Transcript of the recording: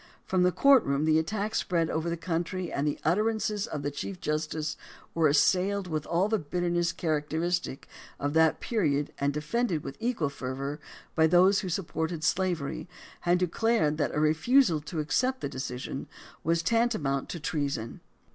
From the courtroom the attack spread over the country and the utterances of the chief justice were assailed with all the bitterness characteristic of that period and de fended with equal fervor by those who supported slavery and who declared that a refusal to accept the decision was tantamount to treason.